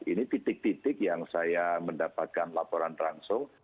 ini titik titik yang saya mendapatkan laporan transfer